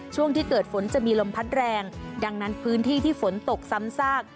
ช่วงที่เกิดฝนจะมีลมพัดแรงดังนั้นพื้นที่ที่ฝนตกซ้ำซาก